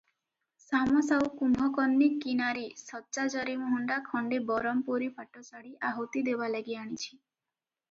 ଶାମ ସାଉ କୁମ୍ଭକର୍ଣ୍ଣୀ କିନାରି ସଚ୍ଚା ଜରିମୂହୁଣ୍ଡା ଖଣ୍ଡେ ବରମପୂରୀ ପାଟ ଶାଢ଼ୀ ଆହୁତି ଦେବାଲାଗି ଆଣିଛି ।